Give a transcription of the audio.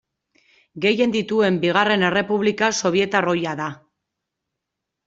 Gehien dituen bigarren errepublika sobietar ohia da.